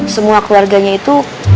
semua keluarganya itu